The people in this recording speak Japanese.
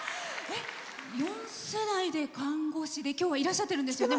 ４世代で看護師で今日はいらっしゃっているんですよね。